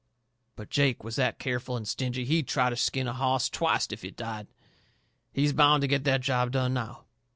But Jake was that careful and stingy he'd try to skin a hoss twicet if it died. He's bound to get that job done, now.